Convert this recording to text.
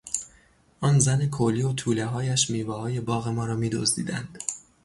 آن زن کولی و تولههایش میوههای باغ ما را میدزدیدند.